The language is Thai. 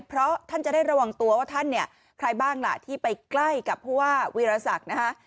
เพราะท่านจะได้ระวังตัวว่าท่านเนี่ยใครบ้างล่ะที่ไปใกล้กับผู้ว่าวีรศักดิ์นะคะ